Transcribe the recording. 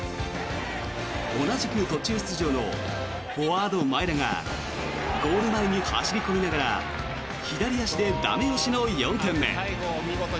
同じく途中出場のフォワード、前田がゴール前に走りこみながら左足で駄目押しの４点目。